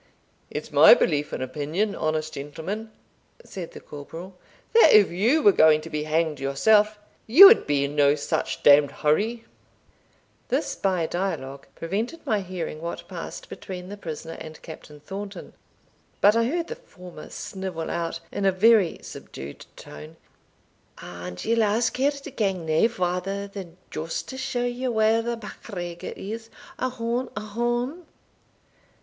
"It's my belief and opinion, honest gentleman," said the corporal, "that if you were going to be hanged yourself, you would be in no such d d hurry." This by dialogue prevented my hearing what passed between the prisoner and Captain Thornton; but I heard the former snivel out, in a very subdued tone, "And ye'll ask her to gang nae farther than just to show ye where the MacGregor is? Ohon! ohon!"